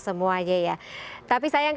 semuanya ya tapi sayang